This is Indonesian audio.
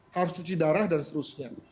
harus cuci darah dan seterusnya